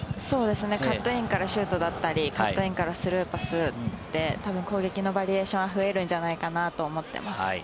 カットインからシュートだったり、カットインからスルーパスたぶん攻撃のバリエーションが増えるんじゃないかなと思っています。